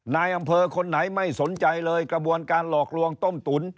นายอำเภอคนไหนไม่สนใจเลยกระบวนการหลอกลวงต้มตุ๋น